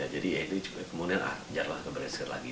jadi kemudian jaraknya bergeser lagi